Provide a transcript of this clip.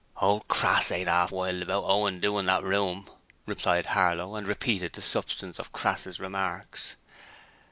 'Ole Crass ain't arf wild about Owen doin' that room,' replied Harlow, and repeated the substance of Crass's remarks.